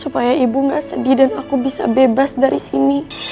supaya ibu gak sedih dan aku bisa bebas dari sini